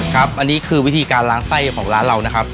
ครับอันนี้คือวิธีการล้างไส้ของร้านเรานะครับ